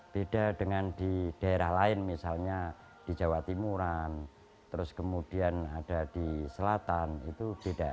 beda dengan di daerah lain misalnya di jawa timuran terus kemudian ada di selatan itu beda